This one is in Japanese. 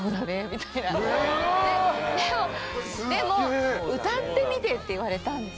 でも歌ってみてって言われたんですよ。